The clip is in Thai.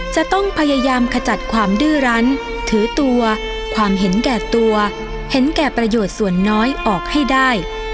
จะต้องพยายามขจัดความดื้อรั้นถือตัวความเห็นแก่ตัวเห็นแก่ประโยชน์ส่วนน้อยออกให้ได้